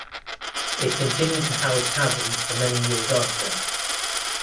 It continued to house taverns for many years after.